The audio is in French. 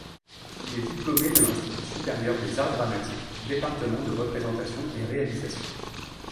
Il est diplômé de l'Institut supérieur des arts dramatiques, département de représentation et réalisation.